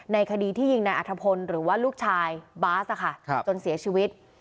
คดีที่ยิงนายอัธพลหรือว่าลูกชายบาสจนเสียชีวิต